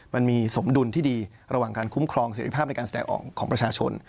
มันมีสมดุลที่ดีระหว่างการคุ้มครองเสร็จภาพในการแสดงออกของประชาชน